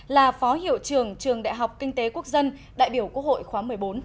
là phó hiệu trưởng trường đại học kinh tế quốc dân đại biểu quốc hội khóa một mươi bốn